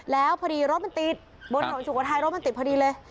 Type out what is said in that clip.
แล้วพอดีรถมันติดบนถนนสุโขทัยรถมันติดพอดีเลย